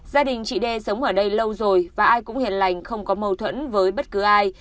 gia đình chị đê sống ở đây lâu rồi và ai cũng hiền lành không có mâu thuẫn với bất cứ ai